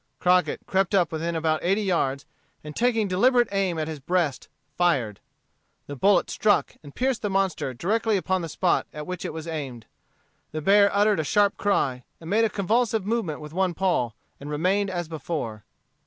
Crockett crept up within about eighty yards, and taking deliberate aim at his breast, fired. The bullet struck and pierced the monster directly upon the spot at which it was aimed. The bear uttered a sharp cry, made a convulsive movement with one paw, and remained as before.